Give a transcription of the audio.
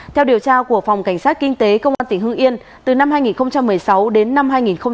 theo điều tra của phòng cảnh sát kinh tế công an tỉnh hưng yên từ năm hai nghìn một mươi sáu đến năm hai nghìn một mươi bảy